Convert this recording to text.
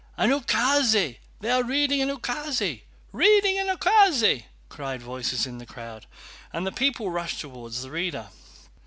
"An ukáse, they are reading an ukáse! Reading an ukáse!" cried voices in the crowd, and the people rushed toward the reader.